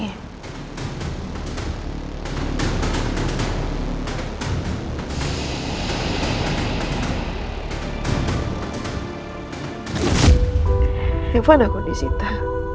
telepon aku di sita